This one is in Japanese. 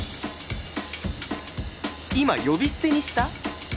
今呼び捨てにした？